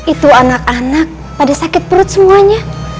itu anak anak pada sakit perut semuanya